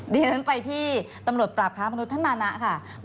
เดี๋ยวเราไปที่ตำรวจปราบค้ามนุษย์ธนานะค่ะ